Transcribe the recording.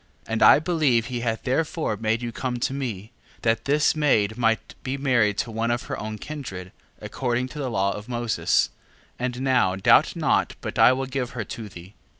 7:14. And I believe he hath therefore made you come to me, that this maid might be married to one of her own kindred, according to the law of Moses: and now doubt not but I will give her to thee.